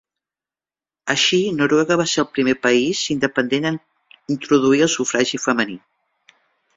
Així, Noruega va ser el primer país independent en introduir el sufragi femení.